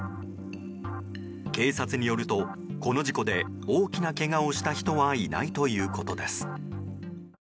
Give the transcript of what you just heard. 警察によると、この事故で大きなけがをした人はいないということです。